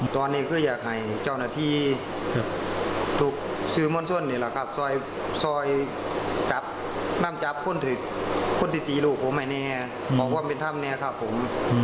ตอนนี้คืออยากให้เจ้าหน้าที่ถูกสื่อมวลชนนี่แหละครับซอยจับนำจับคนที่ตีลูกผมอันนี้บอกว่าเป็นถ้ำเนี่ยครับผม